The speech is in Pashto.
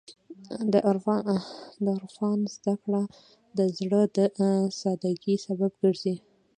د عرفان زدهکړه د زړه د سادګۍ سبب ګرځي.